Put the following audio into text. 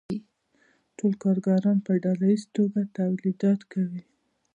ټول کارګران په ډله ییزه توګه تولیدات کوي